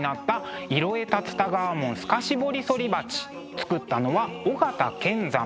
作ったのは尾形乾山。